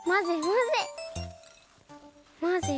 まぜまぜ。